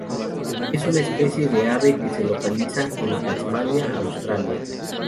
Es una especie de ave que se localiza en Tasmania, Australia.